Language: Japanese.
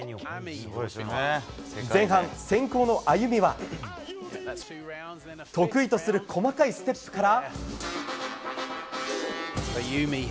前半、先攻のあゆみは得意とする細かいステップから。